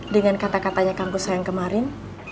dengan kata katanya kangku sayang kemarin